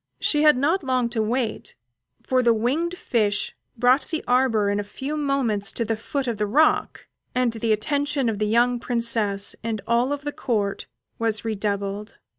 She had not long to wait, for the winged fish brought the arbour in a few moments to the foot of the rock, and the attention of the young Princess and of all the Court was redoubled.